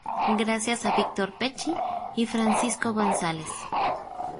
Gracias a Victor Pecci y Francisco González.